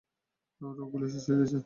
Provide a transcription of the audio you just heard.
ওর গুলি শেষ হয়ে গেছে।